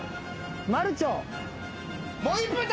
マルチョウ。